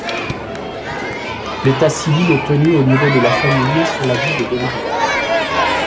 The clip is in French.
L'état-civil est tenu au niveau de la famille sur la Bible de mariage.